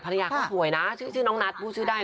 พรรยาก็สวยนะชื่อน้องนัทพูดชื่อได้เนอะ